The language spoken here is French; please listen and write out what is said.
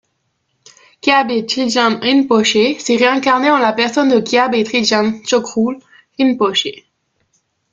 Kyabdjé Trijang Rinpoché s'est réincarné en la personne de Kyabje Trijang Chocktrul Rinpoché.